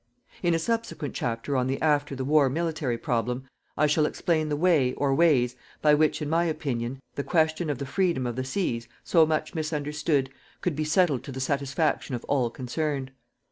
In a subsequent chapter on the after the war military problem, I shall explain the way or ways, by which, in my opinion, the question of the freedom of the seas, so much misunderstood, could be settled to the satisfaction of all concerned.